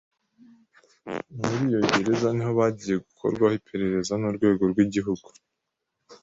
Muri iyo gereza niho bagiye gukorwaho iperereza n’Urwego rw’Igihugu